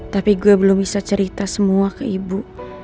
tapi gue belum bisa cerita semua ke ibu